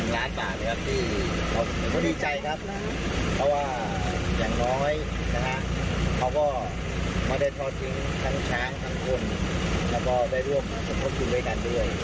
แล้วก็ได้ร่วมสมบัติดูด้วยกันด้วย